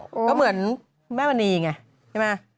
ก็เหมือนแม่มณีไงใช่ไหม